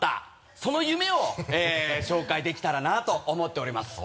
その夢を紹介できたらなと思っております。